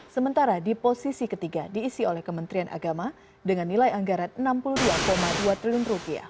sementara di posisi ketiga diisi oleh kementerian agama dengan nilai anggaran rp enam puluh dua dua triliun